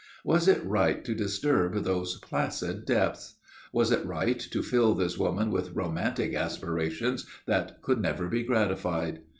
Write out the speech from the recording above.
Was it right to disturb those placid depths? Was it right to fill this woman with romantic aspirations that could never be gratified?